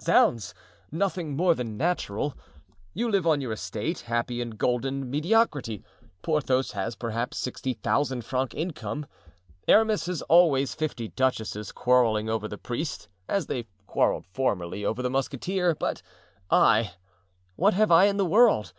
"Zounds! nothing more than natural. You live on your estate, happy in golden mediocrity. Porthos has, perhaps, sixty thousand francs income. Aramis has always fifty duchesses quarreling over the priest, as they quarreled formerly over the musketeer; but I—what have I in the world?